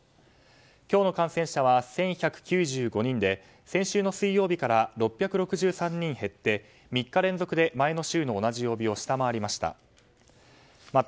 今日の感染者は１１９５人で先週の水曜日から６６３人減って３日連続で前の週の同じ曜日を下回りました。